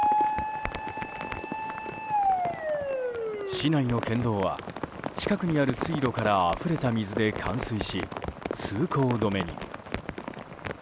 市内の県道は近くにある水路からあふれた水で冠水し、通行止めに。